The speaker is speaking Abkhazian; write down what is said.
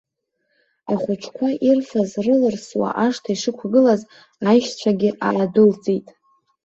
Ахәыҷқәа ирфаз рылырсуа ашҭа ишықәгылаз, аишьцәагьы аадәылҵит.